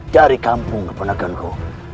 dari kampung kepadakanku